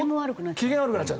機嫌悪くなっちゃう。